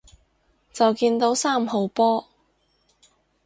就見到三號波